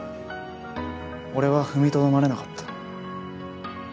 俺は踏みとどまれなかった。